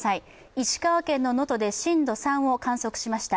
石川県の能登で震度３を観測しました。